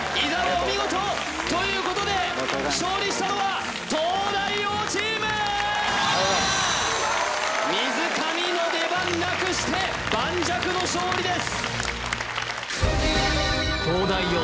お見事ということで勝利したのは東大王チーム水上の出番なくして盤石の勝利です